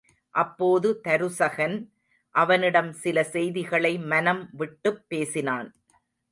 அப்போது தருசகன் அவனிடம் சில செய்திகளை மனம் விட்டுப் பேசினான்.